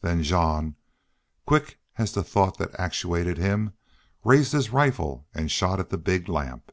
Then Jean, quick as the thought that actuated him, raised his rifle and shot at the big lamp.